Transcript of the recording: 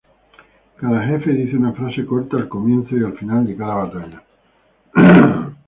Cada jefe dice una frase corta al comienzo y al final de cada batalla.